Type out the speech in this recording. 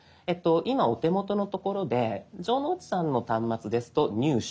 今お手元のところで城之内さんの端末ですと「入手」。